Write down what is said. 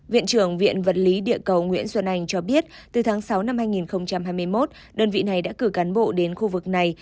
viện trưởng viện vật lý địa cầu nguyễn xuân anh cho biết từ tháng sáu năm hai nghìn hai mươi một đơn vị này đã cử cán bộ đến khu vực này